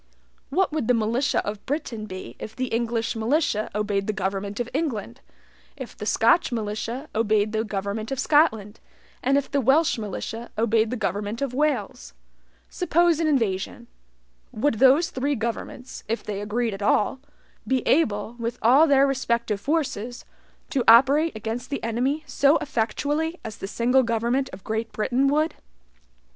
What would the militia of Britain be if the English militia obeyed the government of England, if the Scotch militia obeyed the government of Scotland, and if the Welsh militia obeyed the government of Wales? Suppose an invasion; would those three governments (if they agreed at all) be able, with all their respective forces, to operate against the enemy so effectually as the single government of Great Britain would?